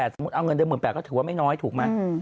เอาเงินได้๑๘๐๐๐บาทก็ถือว่าไม่น้อยถูกมั้ย